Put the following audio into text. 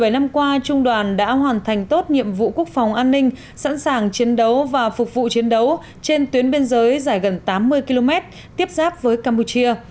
bảy năm qua trung đoàn đã hoàn thành tốt nhiệm vụ quốc phòng an ninh sẵn sàng chiến đấu và phục vụ chiến đấu trên tuyến biên giới dài gần tám mươi km tiếp giáp với campuchia